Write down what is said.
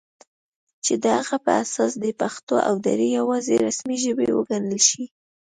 چې د هغه په اساس دې پښتو او دري یواځې رسمي ژبې وګڼل شي